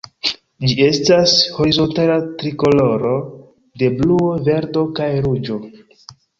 Ĝi estas horizontala trikoloro de bluo, verdo kaj ruĝo.